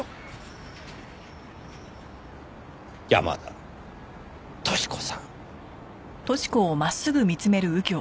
山田淑子さん。